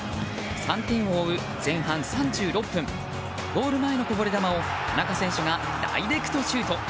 ３点を追う前半３６分ゴール前のこぼれ球を田中選手がダイレクトシュート。